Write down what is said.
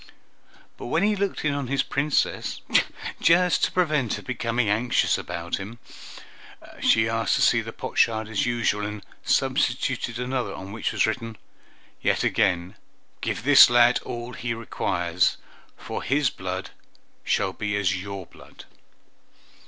But when he looked in on his Princess, just to prevent her becoming anxious about him, she asked to see the potsherd as usual, and substituted another, on which was written, "Yet again give this lad all he requires, for his blood shall be as your blood!"